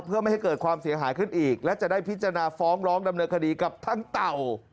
เพื่อไม่ให้เกิดความเสียหายขึ้นอีกและจะได้พิจารณาฟ้องร้องดำเนินคดีกับทั้งเต่า